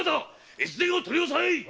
越前を取り押さえい！